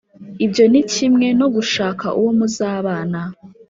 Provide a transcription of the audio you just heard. Ibyo ni kimwe no gushaka uwo muzabana